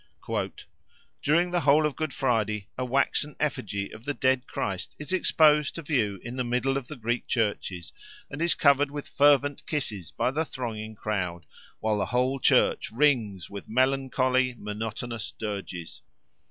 "During the whole of Good Friday a waxen effigy of the dead Christ is exposed to view in the middle of the Greek churches and is covered with fervent kisses by the thronging crowd, while the whole church rings with melancholy, monotonous dirges.